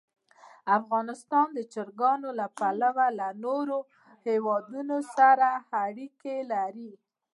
افغانستان د چرګان له پلوه له نورو هېوادونو سره اړیکې لري.